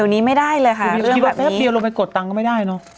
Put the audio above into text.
แล้วไม่ได้เลยค่ะรับนี้วันเดี๋ยวลงไปกดตังก็ไม่ได้เนอะ